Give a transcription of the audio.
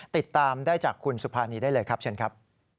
ติดตามได้จากคุณสุภานีได้เลยครับเชิญครับ